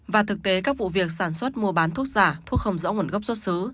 và thực tế các vụ việc sản xuất mua bán thuốc giả thuốc không rõ nguồn gốc xuất xứ